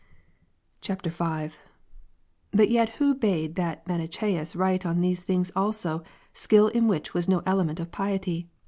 11,20. [V.] 8. But yet who bade that Manichseus SATite on these things also, skill in which was no element of piety